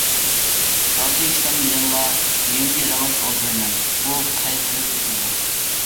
كالتە ئىشتان بىلەنلا يېنىدا يالىڭاچ ئولتۇرىمەن، ئۇ قەي قىلىپ ياتىدۇ.